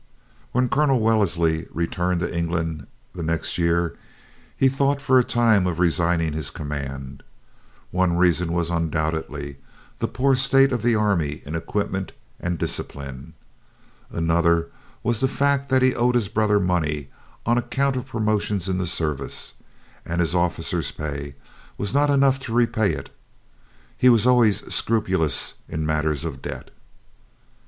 When Colonel Wellesley returned to England the next year, he thought for a time of resigning his command. One reason was undoubtedly the poor state of the army in equipment and discipline. Another was the fact that he owed his brother money on account of promotions in the service, and his officer's pay was not enough to repay it. He was always scrupulous in matters of debt.